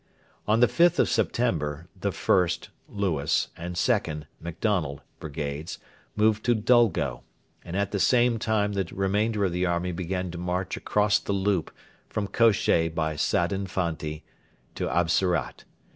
On the 5th of September the 1st (Lewis) and 2nd (MacDonald) Brigades moved to Dulgo, and at the same time the remainder of the army began to march across the loop from Kosheh by Sadin Fanti to Absarat.